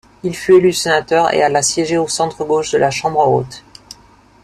Il fut élu sénateur et alla siéger au centre gauche de la Chambre haute.